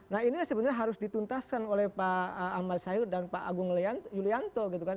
nah ini sebenarnya harus dituntaskan oleh pak amal sayud dan pak agung yulianto gitu kan